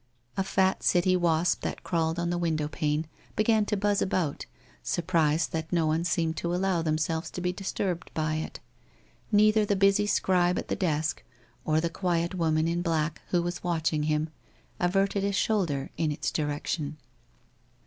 A fat city wasp that crawled on the window pane, began to buzz about, surprised that no one seemed to allow them selves to be disturbed by it. Neither the busy scribe at the desk, or the quiet woman in black who was watching him, averted a shoulder in its direction.